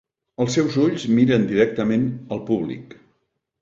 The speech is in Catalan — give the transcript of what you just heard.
Els seus ulls miren directament el públic.